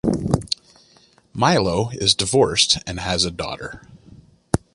Milo is divorced and has a daughter.